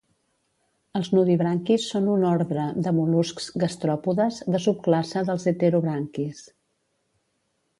Els nudibranquis són un ordre de mol·luscs gastròpodes de subclasse dels heterobranquis